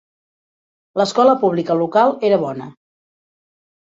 L'escola pública local era bona.